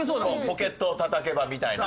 「ポケットをたたけば」みたいな。